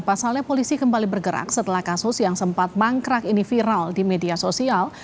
pasalnya polisi kembali bergerak setelah kasus yang sempat mangkrak ini viral di media sosial